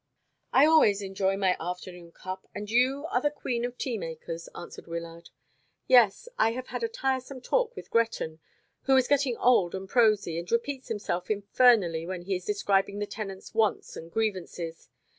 "I always enjoy my afternoon cup; and you are the queen of tea makers," answered Wyllard; "yes, I have had a tiresome talk with Gretton, who is getting old and prosy, and repeats himself infernally when he is describing the tenants' wants and grievances.